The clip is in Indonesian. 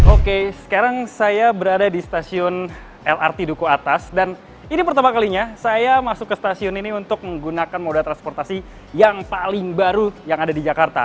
oke sekarang saya berada di stasiun lrt duku atas dan ini pertama kalinya saya masuk ke stasiun ini untuk menggunakan moda transportasi yang paling baru yang ada di jakarta